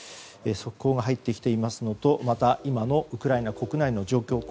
速報が入ってきていますのとまた今のウクライナ国内の状況